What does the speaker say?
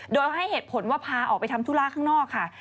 โดยให้เหตุผลว่าพาออกไปทำธุระข้างนอกค่ะ